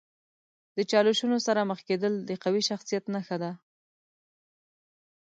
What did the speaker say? د چالشونو سره مخ کیدل د قوي شخصیت نښه ده.